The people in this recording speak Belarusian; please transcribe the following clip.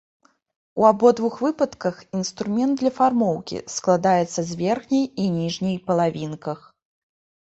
У абодвух выпадках, інструмент для фармоўкі, складаецца з верхняй і ніжняй палавінках.